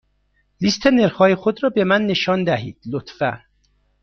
لیست نرخ های خود را به من نشان دهید، لطفا.